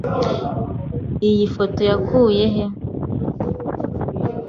Iyi foto yakuye he?